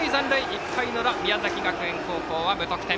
１回の裏、宮崎学園高校は無得点。